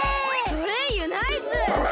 ソレイユナイス！